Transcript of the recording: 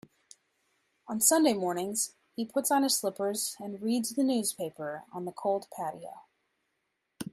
On Sunday mornings, he puts on his slippers and reads the newspaper on the cold patio.